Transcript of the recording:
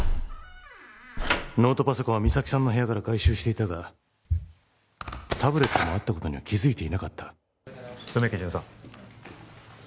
ノートパソコンは実咲さんの部屋から回収していたがタブレットもあったことには気づいていなかった梅木巡査